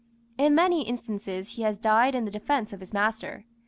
In many instances he has died in the defence of his master.